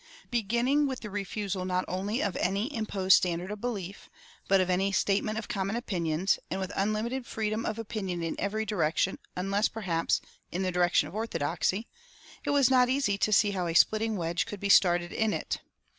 Beginning with the refusal not only of any imposed standard of belief, but of any statement of common opinions, and with unlimited freedom of opinion in every direction, unless, perhaps, in the direction of orthodoxy, it was not easy to see how a splitting wedge could be started in it.